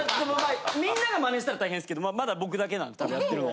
みんながマネしたら大変ですけどまだ僕だけなんで多分やってるの。